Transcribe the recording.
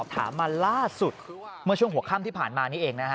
ท่านก็ชำได้หมด